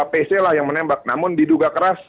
pc lah yang menembak namun diduga keras